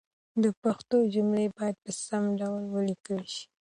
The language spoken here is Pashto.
د پښتو جملې باید په سم ډول ولیکل شي.